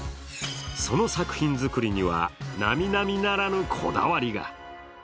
その作品作りには並々ならぬこだわりが。